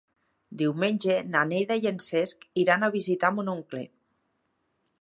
Diumenge na Neida i en Cesc iran a visitar mon oncle.